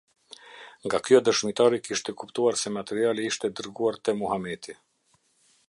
Nga kjo dëshmitari kishte kuptuar se materiali ishte dërguar te Muhameti.